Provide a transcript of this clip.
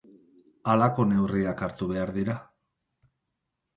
Halako neurriak hartu behar dira.